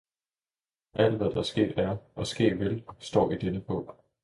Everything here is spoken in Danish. Alt, hvad der sket er og ske vil, står i denne bog!